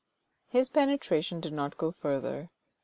" His penetration did not go further.